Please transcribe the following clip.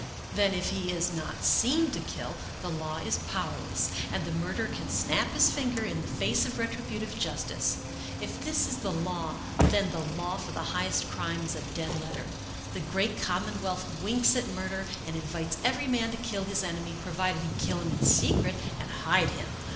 Then, if he is not seen to kill, the law is powerless and the murderer can snap his finger in the face of retributive justice. If this is the law, then the law for the highest crime is a dead letter. The great common wealth winks at murder and invites every man to kill his enemy, provided he kill him in secret and hide him.